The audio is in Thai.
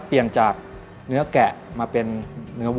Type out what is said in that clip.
เปลี่ยนจากเนื้อแกะมาเป็นเนื้อวั